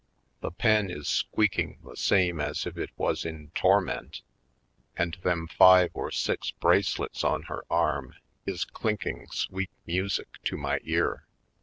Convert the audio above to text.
The pen is squeaking the same as if it was in torment, and them five or six bracelets on her arm is clinking sweet music to my ear.